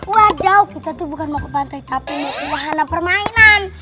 wajau kita tuh bukan mau ke pantai tapi mau ke wahana permainan